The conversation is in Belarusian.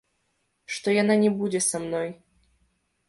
Што яна не будзе са мной.